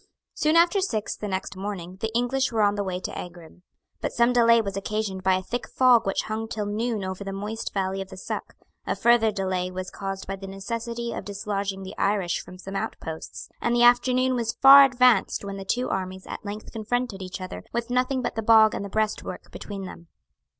Soon after six, the next morning, the English were on the way to Aghrim. But some delay was occasioned by a thick fog which hung till noon over the moist valley of the Suck; a further delay was caused by the necessity of dislodging the Irish from some outposts; and the afternoon was far advanced when the two armies at length confronted each other with nothing but the bog and the breastwork between them.